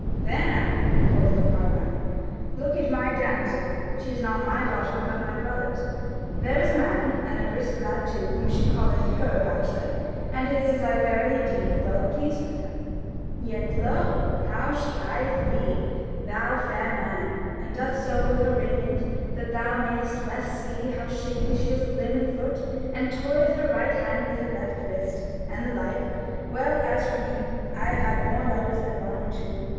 "There now!" quoth the carline, "look at my damsel! (she is not my daughter, but my brother's,) there is a man, and a brisk lad too, whom she calleth her batchelor, and is as I verily deem well pleased with him: yet lo you how she eyeth thee, thou fair man, and doth so with her raiment that thou mayst best see how shapely she is of limb and foot, and toyeth her right hand with her left wrist, and the like. Well, as for me, I have had more lovers than one or two.